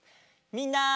みんな！